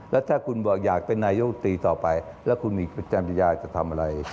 แล้วถ้าคุณบอกอยากเป็นนายกตรีต่อไปแล้วคุณมีประจันทยาจะทำอะไร